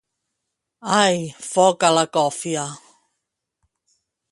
Ai! Foc a la còfia...!